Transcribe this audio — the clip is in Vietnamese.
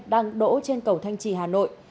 đang đổ trên cầu thanh chỉ hà nội